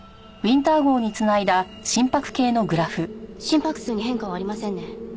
心拍数に変化はありませんね。